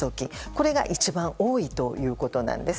これが一番多いということです。